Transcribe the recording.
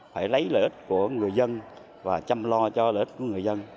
phải lấy lợi ích của người dân và chăm lo cho lợi ích của người dân